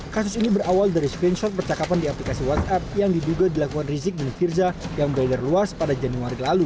kasus ini berawal dari spinshot percakapan di aplikasi whatsapp yang diduga dilakukan rizik dan firza yang beredar luas pada januari lalu